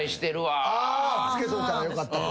つけといたらよかったと。